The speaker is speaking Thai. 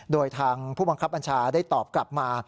โดยทางผู้บังคับบัญชาได้ตอบกลับมา